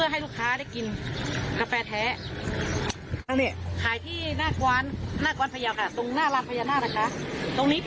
ให้กาแฟได้ทานกาแฟสดใหม่